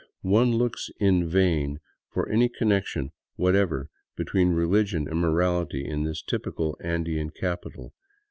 One looks in vain for any connection what ever between religion and morality in this typical Andean capital.